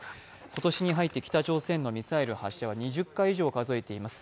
今年に入って北朝鮮のミサイル発射は２０回以上を数えています。